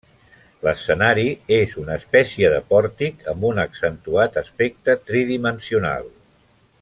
L'escenari és una espècie de pòrtic, amb un accentuat aspecte tridimensional.